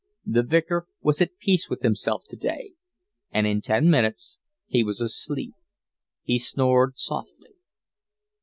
The Vicar was at peace with himself today, and in ten minutes he was asleep. He snored softly.